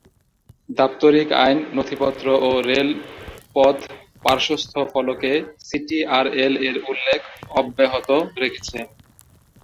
দাপ্তরিক আইন, নথিপত্র ও রেলপথ-পার্শ্বস্থ-ফলকে "সিটিআরএল"-এর উল্লেখ অব্যাহত রেখেছে।